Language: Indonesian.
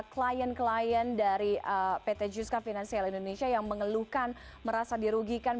klien klien dari pt juska finansial indonesia yang mengeluhkan merasa dirugikan